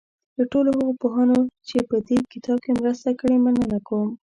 له ټولو هغو پوهانو چې په دې کتاب کې مرسته کړې مننه کوم.